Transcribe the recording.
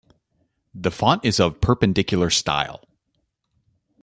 The font is of Perpendicular style.